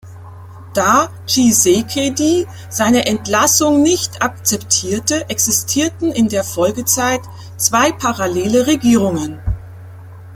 Da Tshisekedi seine Entlassung nicht akzeptierte, existierten in der Folgezeit zwei parallele Regierungen.